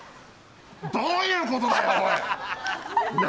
どういうことだよ！